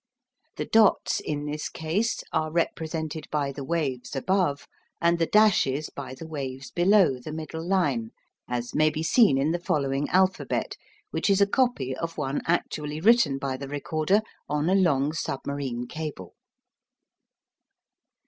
The dots in this case are represented by the waves above, and the "dashes" by the waves below the middle line, as may be seen in the following alphabet, which is a copy of one actually written by the recorder on a long submarine cable.